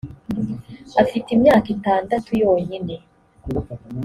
afite imyaka itandatu yonyine.